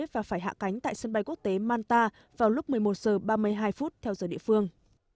và phải hạ cánh tại sân bay quốc tế manta vào lúc một mươi một h ba mươi hai theo giờ địa phương